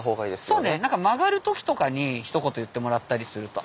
そうね曲がる時とかにひと言言ってもらったりすると。